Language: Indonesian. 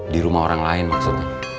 di rumah orang lain maksudnya